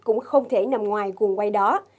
cũng không thể nằm ngoài quần quay đó